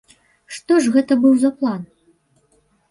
Што ж гэта быў за план?